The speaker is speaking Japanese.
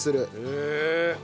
へえ。